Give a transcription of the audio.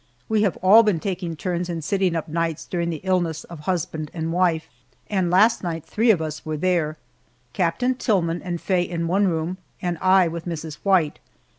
We have all been taking turns in sitting up nights during the illness of husband and wife, and last night three of us were there, Captain Tillman and Faye in one room, and I with Mrs. White.